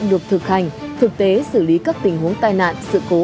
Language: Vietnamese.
được thực hành thực tế xử lý các tình huống tai nạn sự cố